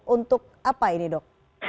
untuk apa ini dok